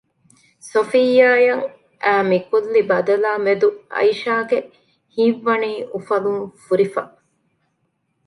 ސޮފިއްޔާއަށް އައި މިކުއްލި ބަދަލާމެދު އައިޝާގެ ހިތްވަނީ އުފަލުން ފުރިފަ